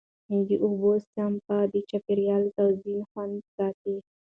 د اوبو سپما د چاپېریال توازن خوندي ساتي.